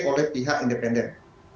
oleh pihak independen